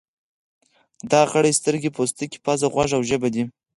دا غړي سترګې، پوستکی، پزه، غوږ او ژبه دي.